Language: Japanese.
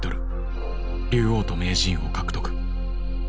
竜王と名人を獲得。